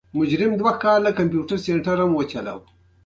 د ډيپلوماسی کچه د یو هېواد د اړیکو ښهوالي ته اشاره کوي.